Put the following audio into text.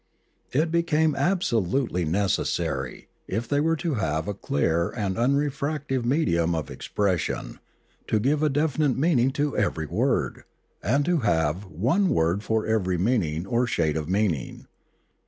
It became absolutely necessary, if they were to have a clear and unrefractive medium of expression, to give a definite meaning to every word, and to have one word for every meaning or shade of meaning.